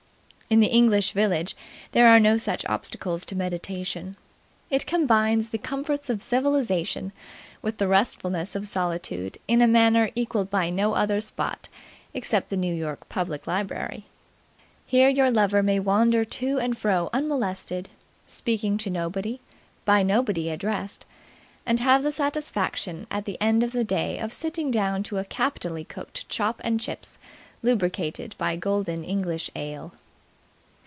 In the English village there are no such obstacles to meditation. It combines the comforts of civilization with the restfulness of solitude in a manner equalled by no other spot except the New York Public Library. Here your lover may wander to and fro unmolested, speaking to nobody, by nobody addressed, and have the satisfaction at the end of the day of sitting down to a capitally cooked chop and chips, lubricated by golden English ale.